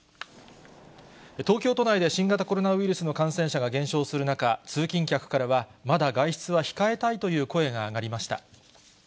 東京都内で新型コロナウイルスの感染者が減少する中、通勤客からは、まだ外出は控えたいという声が上がりました。